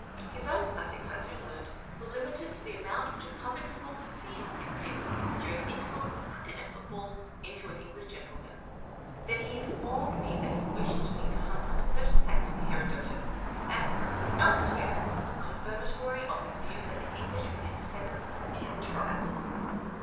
His own classics, I soon learnt, were limited to the amount which a public school succeeds in dinning, during the intervals of cricket and football, into an English gentle man. Then he informed me that he wished me to hunt up certain facts in Herodotus " and elsewhere " confirmatory of his view that the English were the descendants of the Ten Tribes.